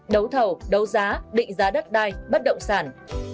đấu thầu đấu giá định giá đất đai bất động sản